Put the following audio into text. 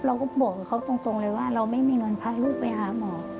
เราก็บอกกับเขาตรงเลยว่าเราไม่มีเงินพาลูกไปหาหมอ